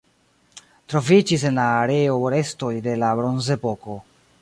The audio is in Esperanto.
Troviĝis en la areo restoj de la Bronzepoko.